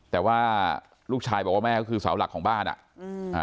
แต่ว่าลูกชายบอกว่าแม่ก็คือเสาหลักของบ้านอ่ะอืมอ่า